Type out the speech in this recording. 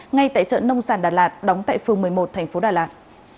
ngay tại trận nông sản đà lạt đóng tại phường một mươi một tp đà lạt